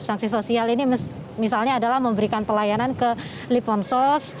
sanksi sosial ini misalnya adalah memberikan pelayanan ke liponsos